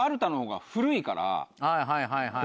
はいはいはいはい。